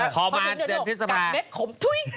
พอมาเดือนพิษภาคม